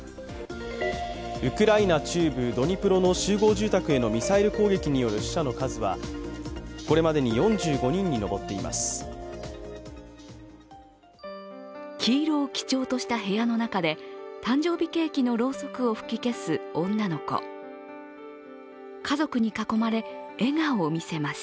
ウクライナ中部ドニプロの集合住宅へのミサイル攻撃による死者の数はこれまでに４５人に上っています。